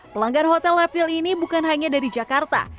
pelanggan hotel reptil ini bukan hanya dari jakarta